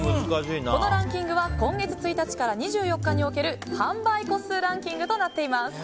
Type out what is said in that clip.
このランキングは今月１日から２４日における販売個数ランキングとなっています。